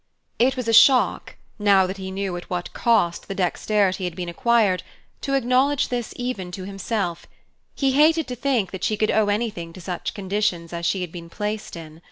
It was a shock, now that he knew at what cost the dexterity had been acquired, to acknowledge this even to himself; he hated to think that she could owe anything to such conditions as she had been placed in.